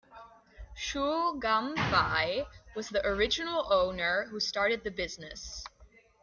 Chu Gam Fai was the original owner who started the business.